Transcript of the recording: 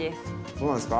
そうなんですか？